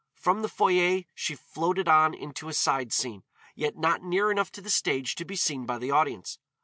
From the foyer she floated on into a side scene, yet not near enough to the stage to be seen by the audience.